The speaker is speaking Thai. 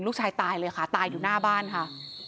ตายเลยค่ะตายอยู่หน้าบ้านค่ะ